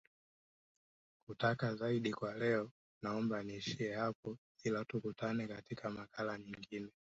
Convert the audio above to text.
kutaka zaidi kwa leo naomba niishie hapo ila tukutane katika makala nyingine